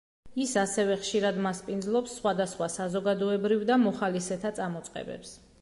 ის ასევე ხშირად მასპინძლობს სხვადასხვა საზოგადოებრივ და მოხალისეთა წამოწყებებს.